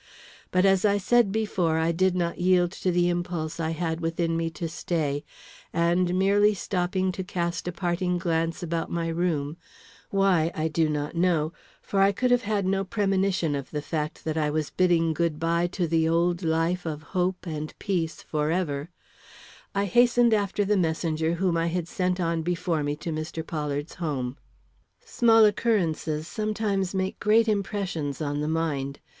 But, as I said before, I did not yield to the impulse I had within me to stay; and, merely stopping to cast a parting glance about my room why, I do not know, for I could have had no premonition of the fact that I was bidding good by to the old life of hope and peace forever I hastened after the messenger whom I had sent on before me to Mr. Pollard's home. Small occurrences sometimes make great impressions on the mind.